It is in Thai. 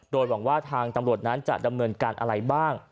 โดยหวังว่าทางตำรวจนั้นจะดำเนินการอะไรบ้าง